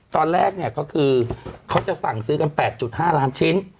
ตอนแรกเนี่ยก็คือเขาจะสั่งซื้อกัน๘๕ล้านชิ้น